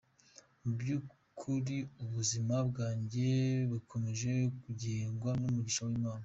Mu by’ukuri ubuzima bwanjye bukomeje kugengwa n’umugisha w’Imana.